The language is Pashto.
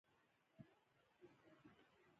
ازادي راډیو د اقلیتونه په اړه تفصیلي راپور چمتو کړی.